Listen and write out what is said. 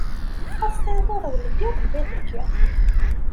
Ad s-tiniḍ irwel-d i Rebbi deg iḍ!